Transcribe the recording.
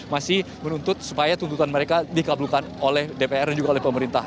masih menuntut supaya tuntutan mereka dikabulkan oleh dpr dan juga oleh pemerintah